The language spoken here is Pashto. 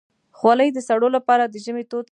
خولۍ د سړو لپاره د ژمي تود ساتونکی ده.